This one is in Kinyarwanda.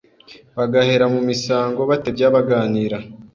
bagahera mu misango, batebya baganira